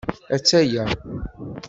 Ataya.